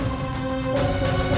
kejar orang ini